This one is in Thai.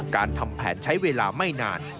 การทำแผนใช้เวลาไม่นาน